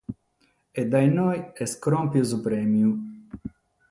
E dae inoghe est cròmpidu su prèmiu.